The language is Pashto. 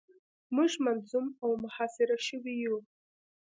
موږ مظلوم او محاصره شوي یو.